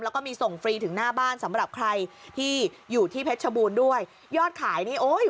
แล้วก็มีส่งฟรีถึงหน้าบ้านสำหรับใครที่อยู่ที่เพชรชบูรณ์ด้วยยอดขายนี่โอ้ย